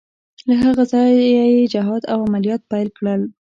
له هغه ځایه یې جهاد او عملیات پیل کړل.